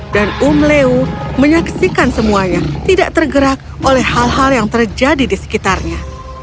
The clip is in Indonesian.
dan umleu menyaksikan semuanya tidak tergerak oleh hal hal yang terjadi di sekitarnya